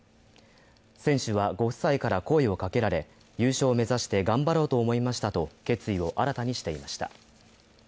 選手はご夫妻から声をかけられ優勝を目指して頑張ろうと思いましたと決意を新たにしていました。